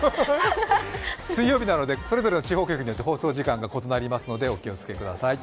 水曜日なのでそれぞれの地方局によって放送時間が異なりますのでお気をつけください